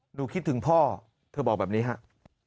หนูคิดถึงพ่อเธอบอกแบบนี้ครับ